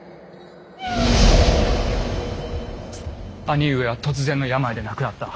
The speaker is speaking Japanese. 兄上は突然の病で亡くなった。